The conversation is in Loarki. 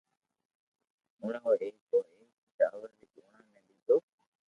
اوڻي او ايڪ او ايڪ چاور ري دوڻا ني ليدو